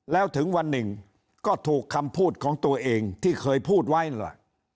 แล้วถึงวันหนึ่งก็ถูกคำพูดของตัวเองที่เคยพูดไว้นั่นแหละ